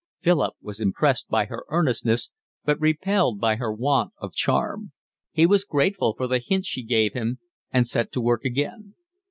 Philip was impressed by her earnestness, but repelled by her want of charm. He was grateful for the hints she gave him and set to work again.